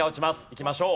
いきましょう。